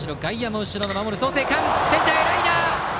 センターへライナー！